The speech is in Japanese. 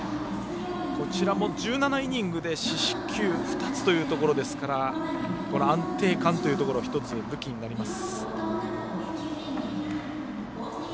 こちらも１７イニングで四死球は２つというところなので安定感というところ１つ武器になります。